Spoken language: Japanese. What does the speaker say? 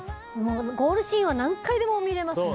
ゴールシーンは何回でも見れますね。